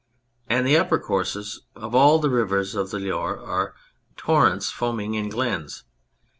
And the upper courses of all the rivers of the Loire are torrents foaming in glens.